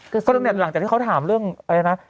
ก็เนี่ยหลังจากที่เขาถามเรื่องอะไรนะ